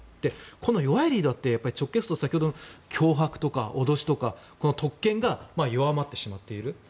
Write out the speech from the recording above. この弱いリーダーというのは直結すると脅迫とか脅しとか特権が弱まってしまっている。